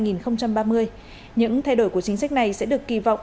những thay đổi của chính sách này sẽ được kỳ vọng